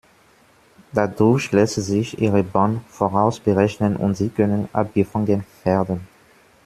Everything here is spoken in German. Dadurch lässt sich ihre Bahn vorausberechnen und sie können abgefangen werden.